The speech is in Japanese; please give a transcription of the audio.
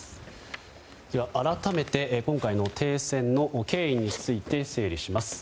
改めて今回の停戦の経緯について整理します。